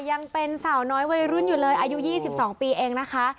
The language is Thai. ยังเป็นสาวน้อยวัยรุ่นอยู่เลยอายุ๒๒ปีเองนะคะ